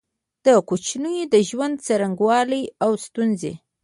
د کوچيانو د ژوند څرنګوالی او ستونزي